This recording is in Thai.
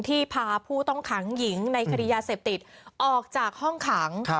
พาผู้ต้องขังหญิงในคดียาเสพติดออกจากห้องขัง